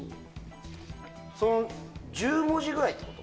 １０文字ぐらいってこと？